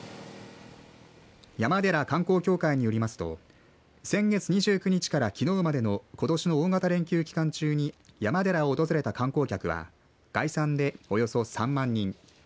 山寺観光協会によりますと先月２９日からきのうまでのことしの大型連休期間中に山寺を訪れた観光客は概算でおよそ３万人。